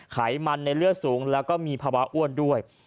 ไขมันในเลือดสูงแล้วก็มีภาวะอ้วนด้วย